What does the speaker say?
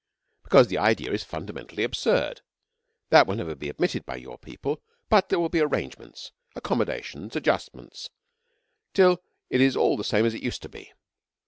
'Because the idea is fundamentally absurd. That will never be admitted by your people, but there will be arrangements, accommodations, adjustments, till it is all the same as it used to be.